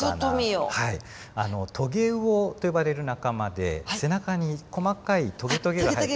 トゲウオと呼ばれる仲間で背中に細かいトゲトゲが生えて。